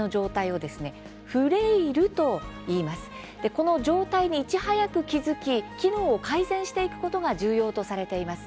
この状態にいち早く気付き機能を改善していくことが重要とされています。